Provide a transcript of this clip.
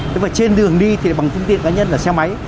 nhưng mà trên đường đi thì bằng thông tin cá nhân là xe máy